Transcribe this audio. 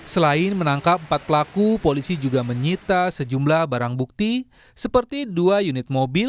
selain menangkap empat pelaku polisi juga menyita sejumlah barang bukti seperti dua unit mobil